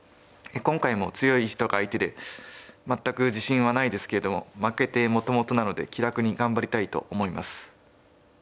今回も強い人が相手で全く自信はないですけれども負けてもともとなので気楽に頑張りたいと思います。